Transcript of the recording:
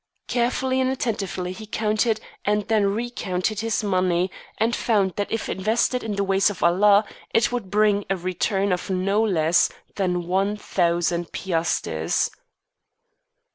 Carefully and attentively he counted and then recounted his money, and found that if invested in the ways of Allah it would bring a return of no less than one thousand piasters.